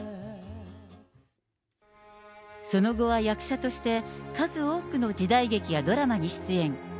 その後は役者として数多くの時代劇やドラマに出演。